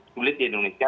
sulit di indonesia